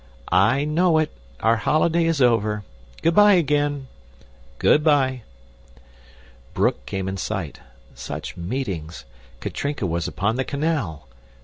"I know it. Our holiday is over. Good bye, again." "Good bye!" Broek came in sight. Such meetings! Katrinka was upon the canal!